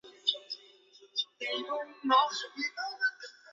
后汉干佑二年窦偁中进士。